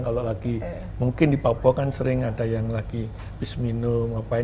kalau lagi mungkin di papua kan sering ada yang lagi bis minum